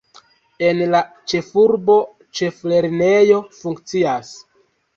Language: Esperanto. En la ĉefurbo ĉeflernejo funkcias.